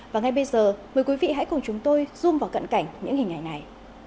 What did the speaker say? và ngay bây giờ mời quý vị hãy cùng chúng tôi zoom vào cận cảnh những hình ảnh này